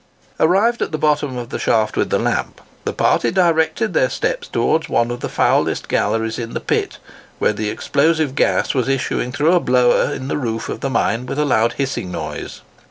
Arrived at the bottom of the shaft with the lamp, the party directed their steps towards one of the foulest galleries in the pit, where the explosive gas was issuing through a blower in the roof of the mine with a loud hissing noise.